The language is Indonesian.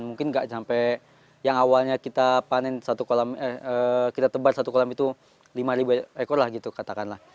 mungkin gak sampai yang awalnya kita panen satu kolam kita tebat satu kolam itu lima ribu ekor lah gitu katakan lah